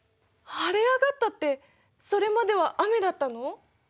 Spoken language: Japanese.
晴れ上がったってそれまでは雨だったの？